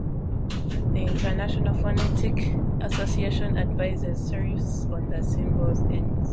The International Phonetic Association advises serifs on the symbol's ends.